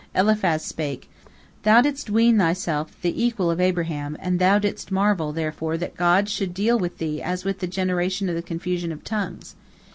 Eliphaz spake: "Thou didst ween thyself the equal of Abraham, and thou didst marvel, therefore, that God should deal with thee as with the generation of the confusion of tongues.